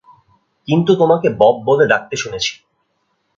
কিন্তু তোমাকে বব বলে ডাকতে শুনেছি।